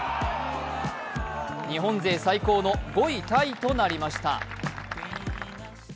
日本勢最高の５位タイとなりました。